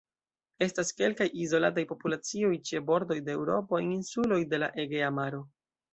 Estas kelkaj izolataj populacioj ĉe bordoj de Eŭropo en insuloj de la Egea Maro.